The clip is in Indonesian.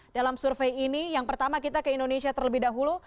dalam survei ini yang pertama kita ke indonesia terlebih dahulu